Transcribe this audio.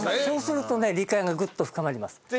そうすると理解がグッと深まります